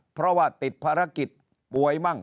เพราะว่าติดภารกิจป่วยมั่ง